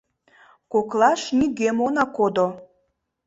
Коклаш нигӧм она кодо.